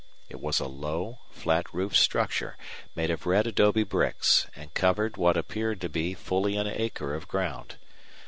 It was a low, flat roofed structure made of red adobe bricks, and covered what appeared to be fully an acre of ground.